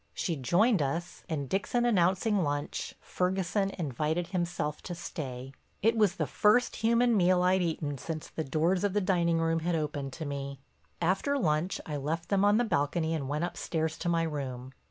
She joined us and, Dixon announcing lunch, Ferguson invited himself to stay. It was the first human meal I'd eaten since the doors of the dining room had opened to me. After lunch I left them on the balcony and went upstairs to my room.